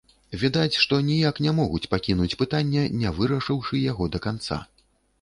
Відаць, што ніяк не могуць пакінуць пытання, не вырашыўшы яго да канца.